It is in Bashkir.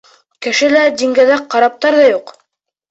Кеше лә, диңгеҙҙә караптар ҙа юҡ.